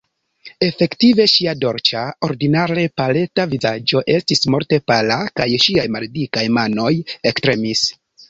Efektive ŝia dolĉa, ordinare paleta vizaĝo estis morte pala, kaj ŝiaj maldikaj manoj ektremis.